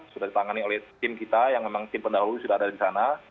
sudah ditangani oleh tim kita yang memang tim pendahulu sudah ada di sana